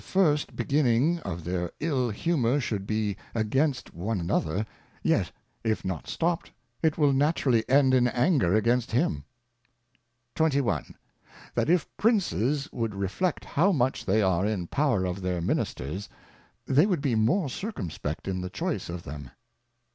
first beginning of their III Humour should be against one another, yet if not stopt, it will naturally end in Anger against him. 21. That if Princes would Reflect how much they are in the Power of their Ministers, they would be more circumspect in the Choice of them.